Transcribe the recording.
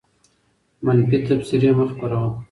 منفي تبصرې مه خپروه.